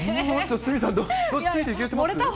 鷲見さん、どうですか、ついていけてます？